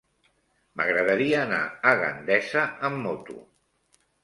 M'agradaria anar a Gandesa amb moto.